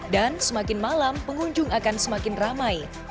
dan semakin malam pengunjung akan semakin ramai